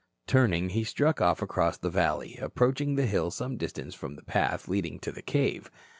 Turning he struck off across the valley, approaching the hill some distance from the path leading to the cave.